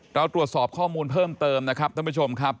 เราตรวจสอบข้อมูลเพิ่มเติมนะครับท่านผู้ชมครับ